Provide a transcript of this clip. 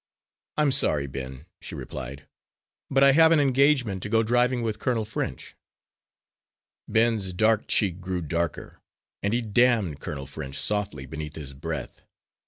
"I'm sorry, Ben," she replied, "but I have an engagement to go driving with Colonel French." Ben's dark cheek grew darker, and he damned Colonel French softly beneath his breath.